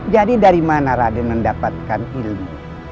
jadi dari mana raden mendapatkan ilmu